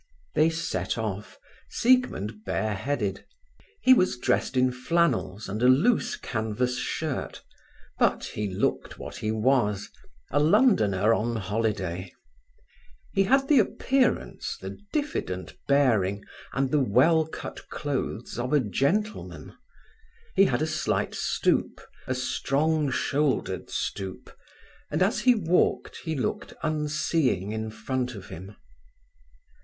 They set off, Siegmund bare headed. He was dressed in flannels and a loose canvas shirt, but he looked what he was—a Londoner on holiday. He had the appearance, the diffident bearing, and the well cut clothes of a gentleman. He had a slight stoop, a strong shouldered stoop, and as he walked he looked unseeing in front of him.